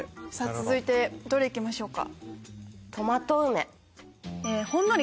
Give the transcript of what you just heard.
続いてどれいきましょうか？